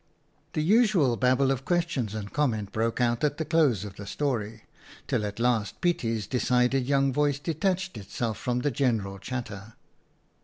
The usual babel of question and comment broke out at the close of the story, till at last Pietie's decided young voice detached itself from the general chatter.